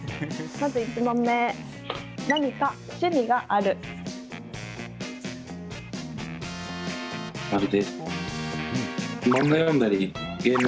まず１問目、何か趣味がある？